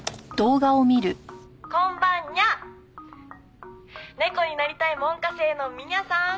「こんばんにゃ」「猫になりたい門下生のみにゃさん